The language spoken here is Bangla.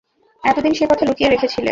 এতদিন সে কথা লুকিয়ে রেখেছিলে।